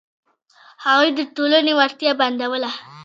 هغوی د ټولنې وړتیا بندوله.